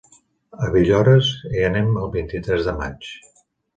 A Villores hi anem el vint-i-tres de maig.